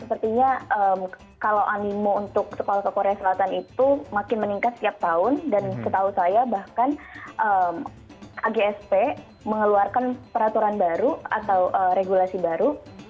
sepertinya kalau animo untuk sekolah ke korea selatan itu makin meningkat setiap tahun dan setahu saya bahkan agsp mengeluarkan peraturan baru atau regulasi baru